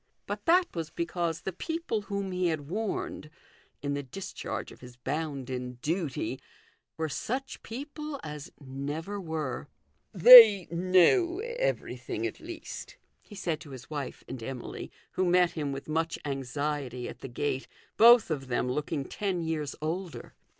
But that was because the people whom he had 312 THE GOLDEN RULE. warned, in the discharge of his bounden duty, were such people as never were. " They know everything at least," he said to his wife and Emily, who met him with much anxiety at the gate, both of them looking ten years older.